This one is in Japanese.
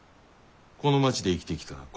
この町で生きてきた。